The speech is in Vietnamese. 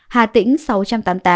hà tĩnh sáu trăm tám mươi tám